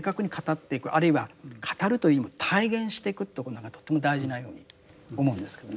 あるいは語るというよりも体現してくということがとても大事なように思うんですけどね。